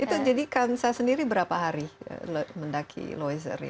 itu jadi kamsa sendiri berapa hari mendaki loser ini